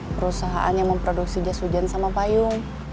perusahaan yang memproduksi jas hujan sama payung